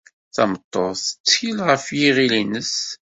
Tameṭṭut tettkel ɣef yiɣil-nnes.